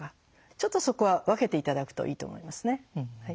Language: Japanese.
ちょっとそこは分けて頂くといいと思いますね。